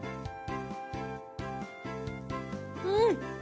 うん！